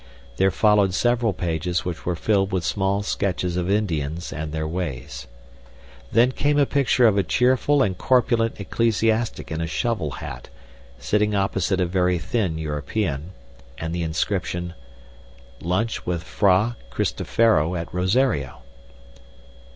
There followed several pages which were filled with small sketches of Indians and their ways. Then came a picture of a cheerful and corpulent ecclesiastic in a shovel hat, sitting opposite a very thin European, and the inscription: "Lunch with Fra Cristofero at Rosario."